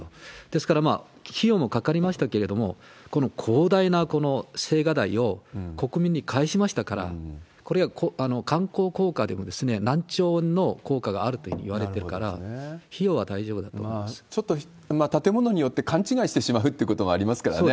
ですから、費用もかかりましたけれども、この広大な青瓦台を国民に返しましたから、これは観光効果でも何兆の効果があるといわれてるから、費用は大ちょっと、建物によって勘違いしてしまうということもありますからね。